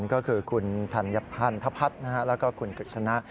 ก็คือคุณธัญพันธพัฒน์แล้วก็คุณกฤษณะ